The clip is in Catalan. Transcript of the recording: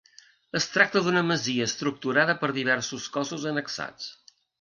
Es tracta d'una Masia estructurada per diversos cossos annexats.